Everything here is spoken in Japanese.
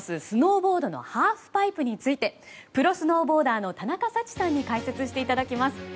スノーボードのハーフパイプについてプロスノーボーダーの田中幸さんに解説していただきます。